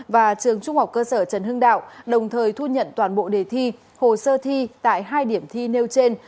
và trường trung học cơ sở trần hưng đạo đồng thời thu nhận toàn bộ đề thi hồ sơ thi tại hai điểm thi nêu trên